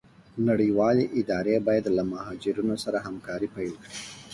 نړيوالي اداري بايد له مهاجرينو سره همکاري پيل کړي.